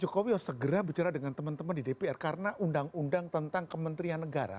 karena ini adalah perintah undang tentang kementerian negara